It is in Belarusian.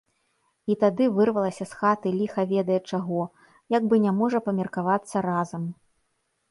І тады вырвалася з хаты ліха ведае чаго, як бы не можа памеркавацца разам.